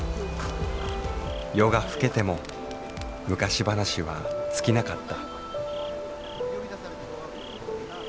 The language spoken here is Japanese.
夜が更けても昔話は尽きなかった。